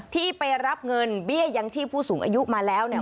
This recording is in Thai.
ที่ไปรับเงินเบี้ยอย่างที่ผู้สูงอายุมาแล้ว